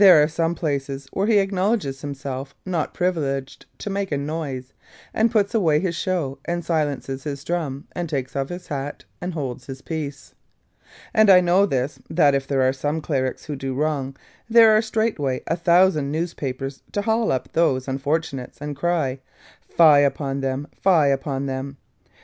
There are some places where he acknowledges himself not privileged to make a noise, and puts away his show, and silences his drum, and takes off his hat, and holds his peace. And I know this, that if there are some Clerics who do wrong, there are straightway a thousand newspapers to haul up those unfortunates, and cry, 'Fie upon them, fie upon them!'